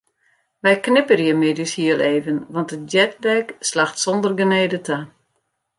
Wy knipperje middeis hiel even want de jetlag slacht sonder genede ta.